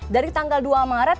dari tanggal dua maret